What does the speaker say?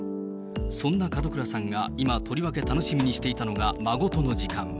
そんな門倉さんが今、とりわけ楽しみにしていたのが孫との時間。